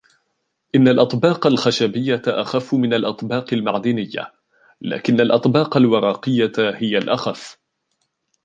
إن الأطباق الخشبية أخف من الأطباق المعدنية ، لكن الأطباق الورقية هي الأخف